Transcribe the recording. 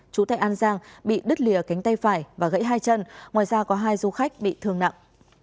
chú tại an giang bị đứt lìa cánh tay phải và gãy hai chân ngoài ra có hai du khách bị thương nặng